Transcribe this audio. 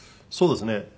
そうですね